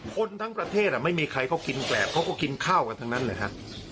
คนทั้งประเทศไม่มีใครเขากินแกรบเขาก็กินข้าวกันทั้งนั้นเลยฮะ